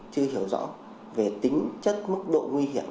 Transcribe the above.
chưa hiểu rõ về tính chất mức độ nguy hiểm